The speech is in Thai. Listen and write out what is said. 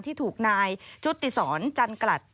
ที่ถูกนายชุติศรจันกลัด